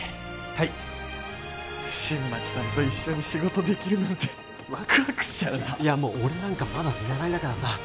はい新町さんと一緒に仕事できるなんてワクワクしちゃうないやもう俺なんかまだ見習いだからさ